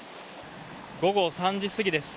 午後３時過ぎです。